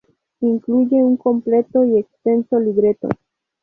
Incluye un completo y extenso libreto.